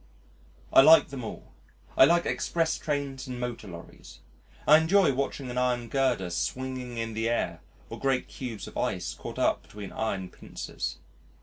I like them all. I like express trains and motor lorries. I enjoy watching an iron girder swinging in the air or great cubes of ice caught up between iron pincers.